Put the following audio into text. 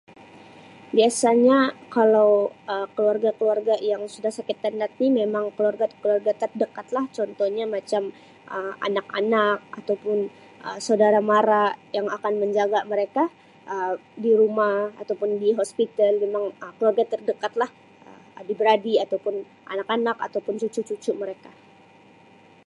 Biasnya kalau Um keluarga-keluarga yang sudah sakit tenat ni memang keluarga-keluarga terdekat lah contohnya macam Um anak-anak ataupun Um saudara-mara yang akan menjaga mereka Um di rumah ataupun di hospital memang Um keluarga terdekatlah Um adik-beradik ataupun anak-anak ataupun cucu-cucu mereka.